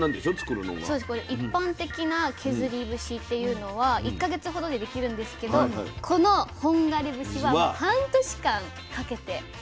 一般的な削り節っていうのは１か月ほどでできるんですけどこの本枯節は半年間かけて。